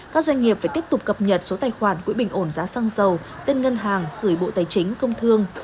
các doanh nghiệp phải tiếp tục cập nhật số tài khoản quỹ bình ổn giá xăng dầu tên ngân hàng gửi bộ tài chính công thương